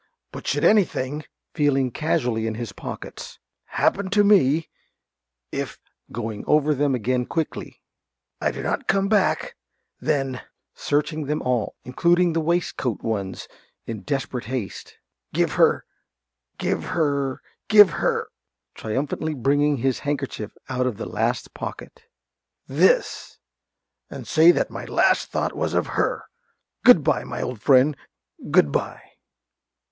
But should anything (feeling casually in his pockets) happen to me if (going over them again quickly) I do not come back, then (searching them all, including the waist coat ones, in desperate haste) give her, give her, give her (triumphantly bringing his handkerchief out of the last pocket) this, and say that my last thought was of her. Good bye, my old friend. Good bye.